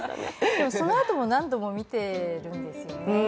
でもそのあとも、何度も見てるんですよね。